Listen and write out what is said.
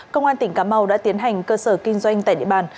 công an tỉnh cà mau đã tiến hành cơ sở kinh doanh tại địa bàn